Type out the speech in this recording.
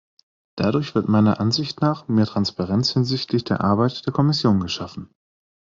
Dadurch wird meiner Ansicht nach mehr Transparenz hinsichtlich der Arbeit der Kommission geschaffen.